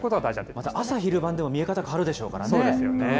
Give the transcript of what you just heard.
また朝昼晩でも見え方変わるでしょうからね。